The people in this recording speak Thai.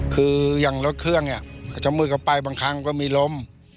คือยังรถเครื่องอ่ะจะมืดกลับไปบางครั้งก็มีล้ม